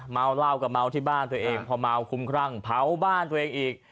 เมาเหล้าก็เมาที่บ้านตัวเองพอเมาคุ้มครั่งเผาบ้านตัวเองอีก